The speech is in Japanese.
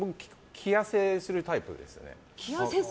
着やせするタイプですね。